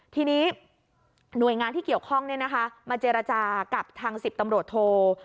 ทีนี้หน่วยงานที่เกี่ยวข้องมาเจรจากับทาง๑๐ตำรวจโท